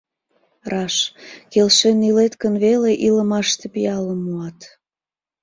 Раш, келшен илет гын веле илымаште пиалым муат.